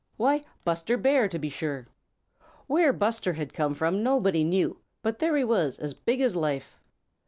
Why, Buster Bear, to be sure. Where Buster had come from nobody knew, but there he was, as big as life.